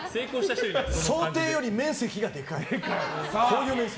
想定より面積がでかい。